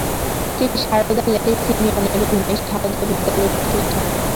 তিনি সারদা লেডিস ইউনিয়নের অধীনে সারদা বিদ্যালয় প্রতিষ্ঠা করেন।